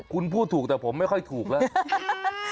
คุณพูดถูกแต่ผมไม่ค่อยถูกแล้ว